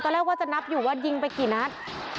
แรกว่าจะนับอยู่ว่ายิงไปกี่นัด